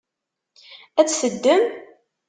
Ad tt-teddem?